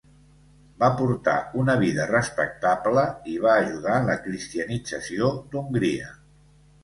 Va portar una vida respectable i va ajudar en la cristianització d'Hongria.